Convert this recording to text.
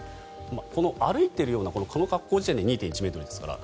この歩いているようなこの格好の時点で２．１ｍですから